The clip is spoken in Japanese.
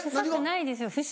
臭くないですよ